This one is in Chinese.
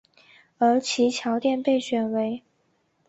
而其桥殿被选为。